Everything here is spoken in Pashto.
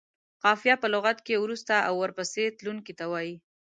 قافیه په لغت کې وروسته او ورپسې تلونکي ته وايي.